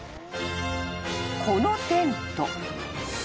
［このテント］